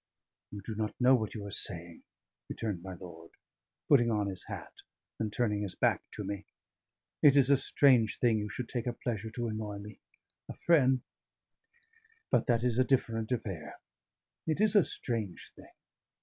"You do not know what you are saying," returned my lord, putting on his hat and turning his back to me. "It is a strange thing you should take a pleasure to annoy me. A friend but that is a different affair. It is a strange thing.